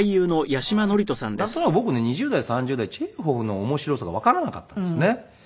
なんとなく僕ね２０代３０代チェーホフの面白さがわからなかったんですね。